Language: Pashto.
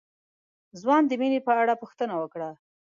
ځوان د مينې په اړه پوښتنه وکړه.